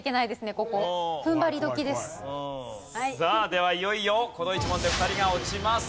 さあではいよいよこの１問で２人が落ちます。